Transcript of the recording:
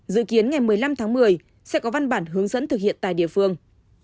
dự kiến ngày một mươi năm tháng một mươi sẽ có văn bản hướng dẫn thực hiện tại địa phương